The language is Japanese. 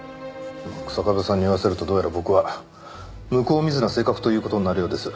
日下部さんに言わせるとどうやら僕は向こう見ずな性格という事になるようです。